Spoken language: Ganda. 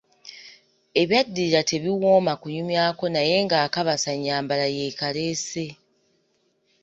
Ebyaddirira tebiwooma kunyumyako, naye ng‘akabasa nnyambala yeekaleese.